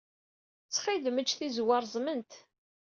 Ttxil-m, ejj tizewwa reẓment.